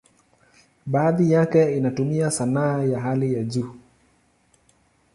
Baadhi yake inatumia sanaa ya hali ya juu.